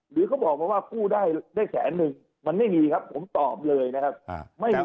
หรือเขาบอกมาว่ากู้ได้แสนนึงมันไม่มีครับผมตอบเลยนะครับ